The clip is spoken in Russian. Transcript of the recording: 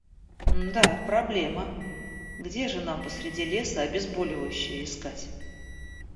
Мда, проблема. Где же нам посреди леса обезболивающее искать?